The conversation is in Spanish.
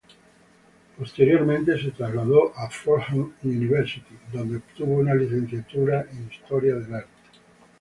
Posteriormente se trasladó a Fordham University, donde obtuvo una licenciatura en Historia del Arte.